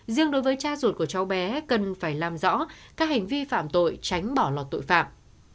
riêng đối với cha ruột của cháu bé cần phải làm rõ các hành vi phạm tội tránh bỏ lọt tội phạm